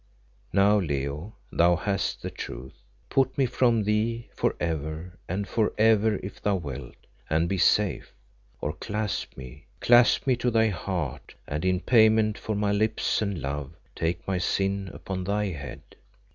Now, Leo, thou hast the truth. Put me from thee for ever and for ever if thou wilt, and be safe; or clasp me, clasp me to thy heart, and in payment for my lips and love take my sin upon thy head!